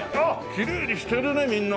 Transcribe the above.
きれいにしてるねみんな！